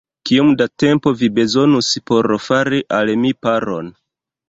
Kiom da tempo vi bezonus por fari al mi paron?